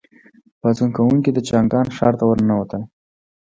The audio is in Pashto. پاڅون کوونکي د چانګان ښار ته ننوتل.